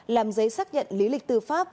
làm giấy xác nhận lý lịch tư pháp